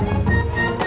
masih ada yang nangis